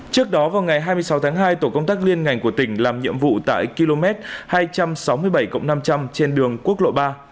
trước đó vào ngày hai mươi sáu tháng hai tổ công tác liên ngành của tỉnh làm nhiệm vụ tại km hai trăm sáu mươi bảy năm trăm linh trên đường quốc lộ ba